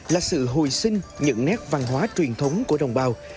là sự hồi sinh những nét văn hóa truyền thống của đồng bào